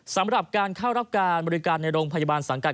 สำหรับการเข้ารับการบริการในโรงพยาบาลสังกัด